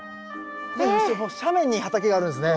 斜面に畑があるんですね。